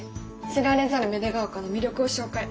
知られざる芽出ヶ丘の魅力を紹介。